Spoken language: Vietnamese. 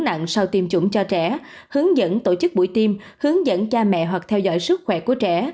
nặng sau tiêm chủng cho trẻ hướng dẫn tổ chức buổi tiêm hướng dẫn cha mẹ hoặc theo dõi sức khỏe của trẻ